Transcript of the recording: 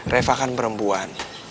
refah kan perempuan